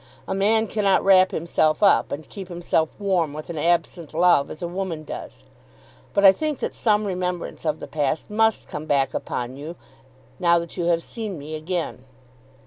A man cannot wrap himself up and keep himself warm with an absent love as a woman does. But I think that some remembrance of the past must come back upon you now that you have seen me again.